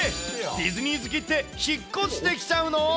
ディズニー好きって、引っ越してきちゃうの？